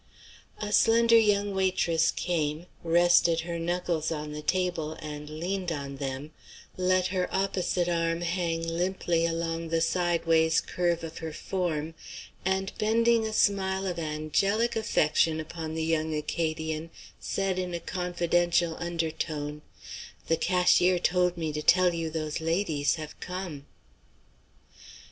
A slender young waitress came, rested her knuckles on the table, and leaned on them, let her opposite arm hang limply along the sidewise curve of her form, and bending a smile of angelic affection upon the young Acadian, said in a confidential undertone: "The cashier told me to tell you those ladies have come."